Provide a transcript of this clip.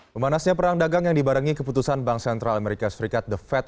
pemanasnya perang dagang yang dibarengi keputusan bank sentral amerika serikat the fed